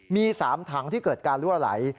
มี๓ถังที่เกิดการลั่วไหล